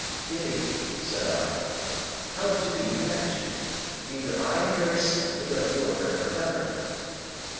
"Biddy," said I, "how do you manage it? Either I am very stupid, or you are very clever."